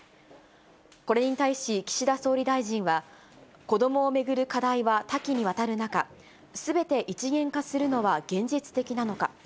これに対し岸田総理大臣は、子どもを巡る課題は多岐にわたる中、すべて一元化するのは現実的なのか。